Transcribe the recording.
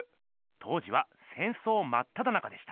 当時は戦争まっただ中でした。